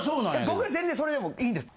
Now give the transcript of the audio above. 僕は全然それでもいいんです。